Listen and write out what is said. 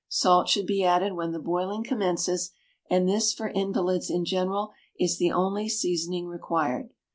Salt should be added when the boiling commences, and this for invalids in general, is the only seasoning required.